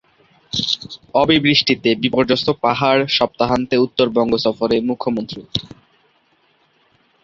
অবিবৃষ্টিতে বিপর্যস্ত পাহাড়, সপ্তাহান্তে উত্তরবঙ্গ সফরে মুখ্যমন্ত্রী